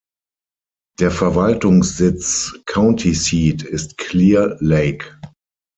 Der Verwaltungssitz County Seat ist Clear Lake.